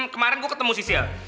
kemarin gue ketemu sisil